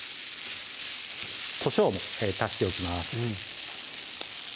こしょうも足しておきます